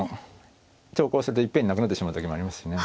長考するといっぺんになくなってしまう時もありますしね。